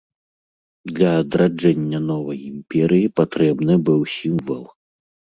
Для адраджэння новай імперыі патрэбны быў сімвал.